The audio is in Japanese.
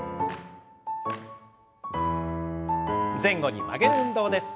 前後に曲げる運動です。